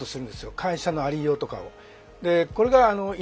会社のありようとかを。